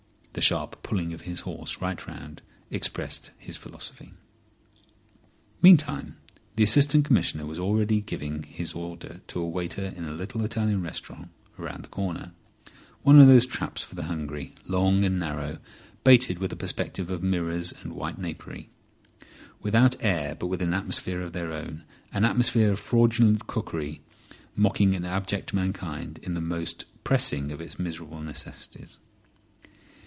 The sharp pulling of his horse right round expressed his philosophy. Meantime the Assistant Commissioner was already giving his order to a waiter in a little Italian restaurant round the corner—one of those traps for the hungry, long and narrow, baited with a perspective of mirrors and white napery; without air, but with an atmosphere of their own—an atmosphere of fraudulent cookery mocking an abject mankind in the most pressing of its miserable necessities.